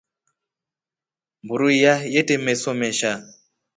Mburu iya yete meso mesha.